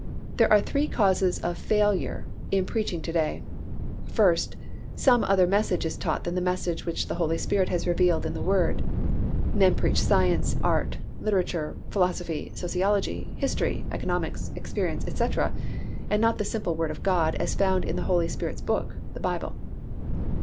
There are three causes of failure in preaching to day. First, Some other message is taught than the message which the Holy Spirit has revealed in the Word. (Men preach science, art, literature, philosophy, sociology, history, economics, experience, etc., and not the simple Word of God as found in the Holy Spirit's Book,—the Bible.)